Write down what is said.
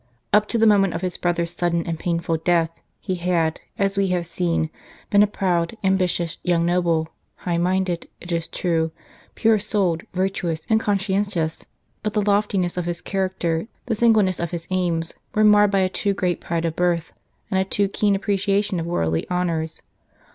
Up to the moment of his brother s sudden and painful death he had, as we have seen, been a proud, ambitious young noble high minded, it is true, pure souled, virtuous, and conscientious, but the loftiness of his character, the singleness of his aims, were marred by a too great pride of birth and a too keen appreciation of worldly honours.